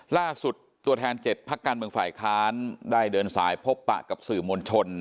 ตัวแทน๗พักการเมืองฝ่ายค้านได้เดินสายพบปะกับสื่อมวลชน